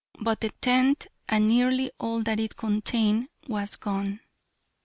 But the tent, and nearly all that it contained, was gone.